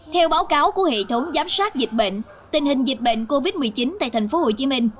theo báo cáo của hệ thống giám sát dịch bệnh tình hình dịch bệnh covid một mươi chín tại thành phố hồ chí minh